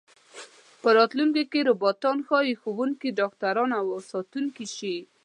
په راتلونکي کې روباټان ښايي ښوونکي، ډاکټران او ساتونکي شي.